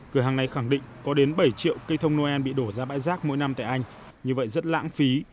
cửa hàng này khẳng định có đến bảy triệu cây thông noel bị đổ ra bãi rác mỗi năm tại anh như vậy rất lãng phí